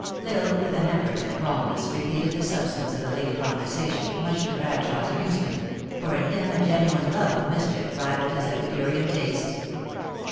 L Isle, with an effort at calmness, repeated the sub stance of the late conversation, much to Bradshawe s amusement; for in him a genuine love of mischief rivaled his epicurean tastes.